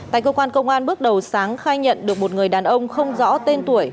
tại cơ quan công an bước đầu sáng khai nhận được một người đàn ông không rõ tên tuổi